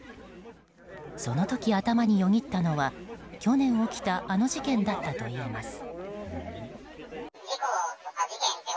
その時、頭によぎったのは去年起きたあの事件だったといいます。